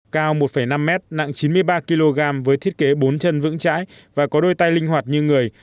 cao một năm m nặng chín mươi ba kg với thiết kế bốn chân vững chãi và có đôi tay linh hoạt như người